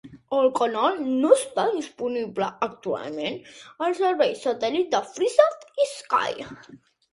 El canal no està disponible actualment als serveis satèl·lit de Freesat i Sky.